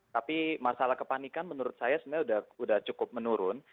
tapi masalah kepanikan menurut saya sebenarnya sudah cukup menurun